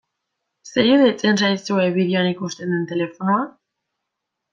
Zer iruditzen zaizue bideoan ikusten den telefonoa?